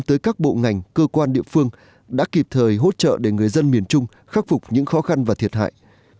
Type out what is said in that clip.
tới các bộ ngành cơ quan địa phương đã kịp thời hỗ trợ để người dân miền trung khắc phục những khó khăn và thiệt hại